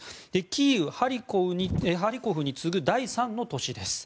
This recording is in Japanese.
キーウ、ハリコフに次ぐ第３の都市です。